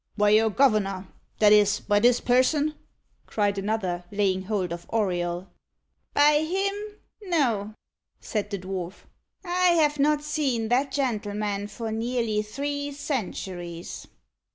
"By your governor that is, by this person?" cried another, laying hold of Auriol. "By him no," said the dwarf; "I have not seen that gentleman for nearly three centuries."